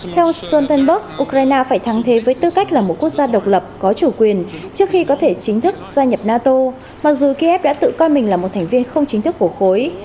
theo stoltenberg ukraine phải thắng thế với tư cách là một quốc gia độc lập có chủ quyền trước khi có thể chính thức gia nhập nato mặc dù kiev đã tự coi mình là một thành viên không chính thức của khối